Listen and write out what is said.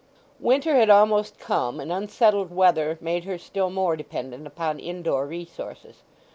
Winter had almost come, and unsettled weather made her still more dependent upon indoor resources.